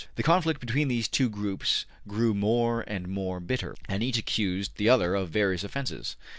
The conflict between these two groups grew more and more bitter, and each accused the other of various offenses.